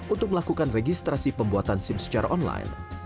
untuk melakukan registrasi pembuatan sim secara online